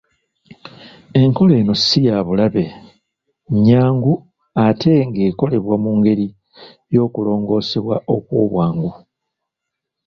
Enkola eno si ya bulabe, nnyangu ate ng’ekolebwa mu ngeri y’okulongoosebwa okw’obwangu.